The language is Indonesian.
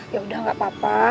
yaudah nggak apa apa